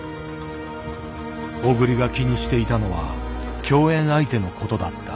小栗が気にしていたのは共演相手のことだった。